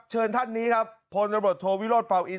เชิญท่านนี้ครับพลโทวิโรธปาวอิน